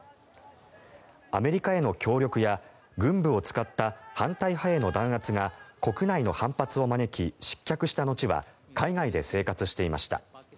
アメリカへの協力や軍部を使った反対派への弾圧が国内の反発を招き失脚した後は海外で生活していました。